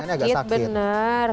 agak sakit benar